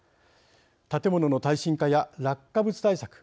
建物の耐震化や落下物対策